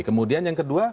kemudian yang kedua